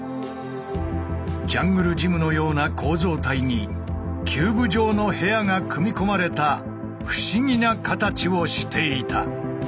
ジャングルジムのような構造体にキューブ状の部屋が組み込まれた不思議な形をしていた。